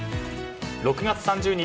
６月３０日